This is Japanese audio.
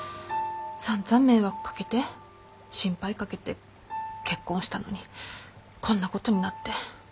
さんざん迷惑かけて心配かけて結婚したのにこんなことになって。